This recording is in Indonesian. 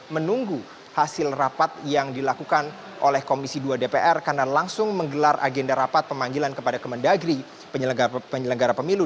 menunggu hasil rapat yang dilakukan oleh komisi dua dpr karena langsung menggelar agenda rapat pemanggilan kepada kemendagri penyelenggara pemilu